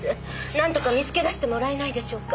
なんとか見つけ出してもらえないでしょうか？